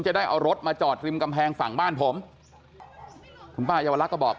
จะได้เอารถมาจอดริมกำแพงฝั่งบ้านผมคุณป้ายาวลักษณ์ก็บอก